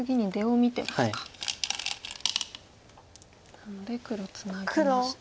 なので黒ツナぎまして。